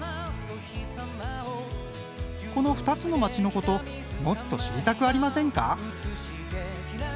この２つの町のこともっと知りたくありませんか？